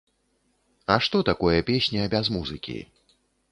А што такое песня без музыкі?